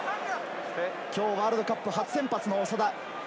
きょうワールドカップ初先発の長田。